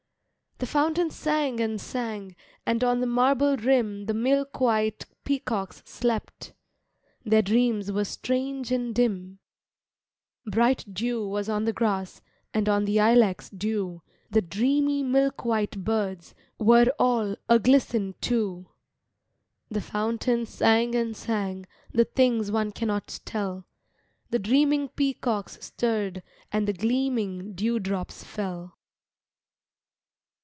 The fountain sang and sang And on the marble rim The milk white peacocks slept, Their dreams were strange and dim. Bright dew was on the grass, And on the ilex dew, The dreamy milk white birds Were all a glisten too. The fountain sang and sang The things one cannot tell, The dreaming peacocks stirred And the gleaming dew drops fell.